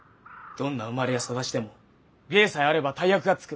どんな生まれや育ちでも芸さえあれば大役がつく。